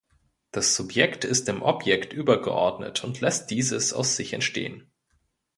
Das Subjekt ist dem Objekt übergeordnet und läßt dieses aus sich entstehen.